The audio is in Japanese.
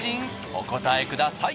お答えください。